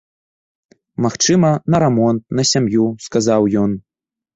Магчыма, на рамонт, на сям'ю, сказаў ён.